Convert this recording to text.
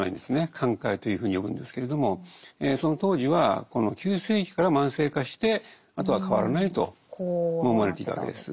寛解というふうに呼ぶんですけれどもその当時はこの急性期から慢性化してあとは変わらないと思われていたわけです。